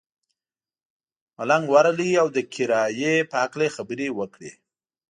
ملنګ ورغئ او د کرایې په هکله یې خبرې وکړې.